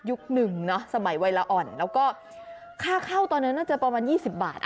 หนึ่งเนอะสมัยวัยละอ่อนแล้วก็ค่าเข้าตอนนั้นน่าจะประมาณ๒๐บาท